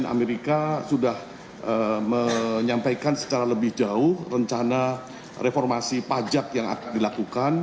amerika sudah menyampaikan secara lebih jauh rencana reformasi pajak yang akan dilakukan